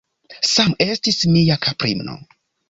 Sam estis mia kaprino.